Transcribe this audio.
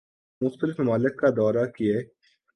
مختلف ممالک کا دورہ کیے